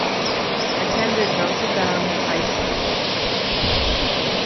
Attended Notre Dame High School.